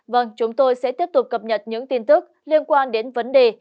vâng chúng tôi sẽ tiếp tục cập nhật những tin tức liên quan đến vấn đề